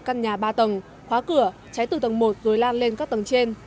căn nhà ba tầng khóa cửa cháy từ tầng một rồi lan lên các tầng trên